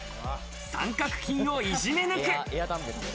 三角筋をいじめ抜く。